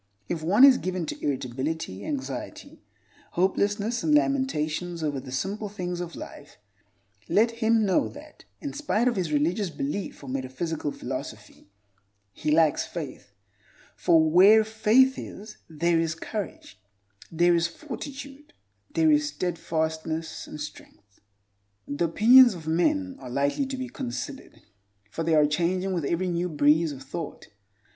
If one is given to irritability, anxiety, hopelessness, and lamentations over the simple things of life, let him know that, in spite of his religious belief or metaphysical philosophy, he lacks faith. For where faith is there is courage, there is fortitude, there is steadfastness and strength. The opinions of men are lightly to be considered, for they are changing with every new breeze of thought.